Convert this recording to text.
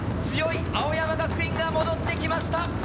強い青山学院が戻って来ました！